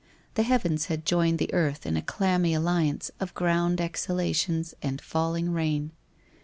The heavens had joined the earth in a clammy alliance of ground exhalations and falling rain.